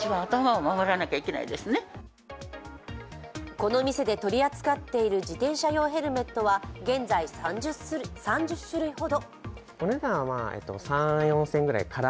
この店で取り扱っている自転車用ヘルメットは現在３０種類ほど。